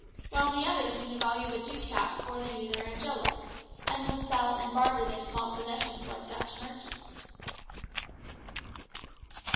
While the others knew the value of a ducat before they knew their Angelus, and would sell and barter their small possessions like Dutch merchants."